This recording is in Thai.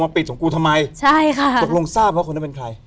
ปิดของกูทำไมใช่ค่ะตกลงทราบว่าคนนั้นเป็นใคร